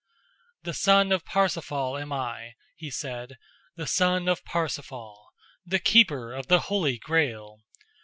"The son of Parsifal am I," he said, "the son of Parsifal, the keeper of the Holy Grail.